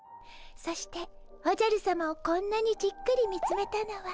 そしておじゃるさまをこんなにじっくり見つめたのは。